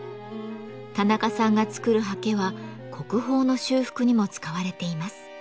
田中さんが作る刷毛は国宝の修復にも使われています。